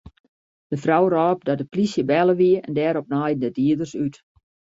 De frou rôp dat de polysje belle wie en dêrop naaiden de dieders út.